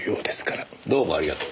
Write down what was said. どうもありがとう。